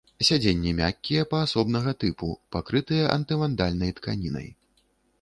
Сядзенні мяккія, паасобнага тыпу, пакрытыя антывандальнай тканінай.